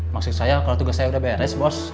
maksud saya kalau tugas saya udah beres bos